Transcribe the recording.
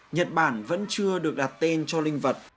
nhật bản vẫn chưa được đặt tên cho linh vật